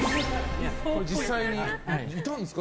これ実際にいたんですか？